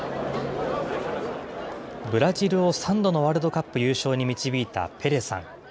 ブラジルを３度のワールドカップ優勝に導いたペレさん。